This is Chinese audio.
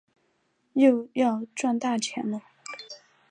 又要赚大钱啰